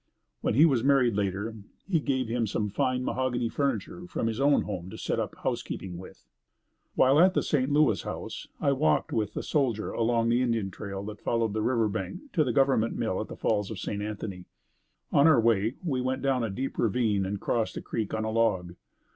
When he was married later, he gave him some fine mahogany furniture, from his own home, to set up housekeeping with. While at the St. Louis House, I walked with a soldier along the Indian trail that followed the river bank to the government mill at the Falls of St. Anthony. On our way, we went down a deep ravine and crossed the creek on a log.